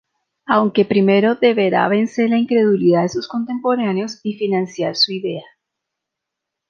Aunque primero deberá vencer la incredulidad de sus contemporáneos y financiar su idea.